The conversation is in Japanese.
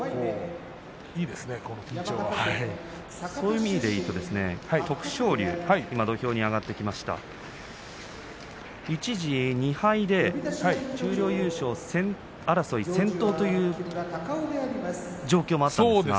そういった面では徳勝龍が、今、土俵に上がってきましたが一時、２敗で十両優勝争い先頭という状況もあったんですが。